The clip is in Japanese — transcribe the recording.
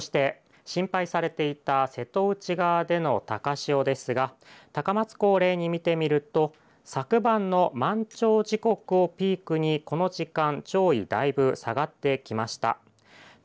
そして心配されていた瀬戸内側での高潮ですが高松港を例に見てみると昨晩の満潮時刻をピークにこの時間、潮位だいぶ下がってきました。